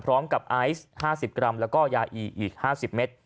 พร้อมกับไอซ์๕๐กรัมแล้วก็ยาอีอีก๕๐เมตร